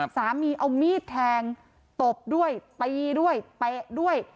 สามีเอามีดแทงตบด้วยตีด้วยเตะด้วย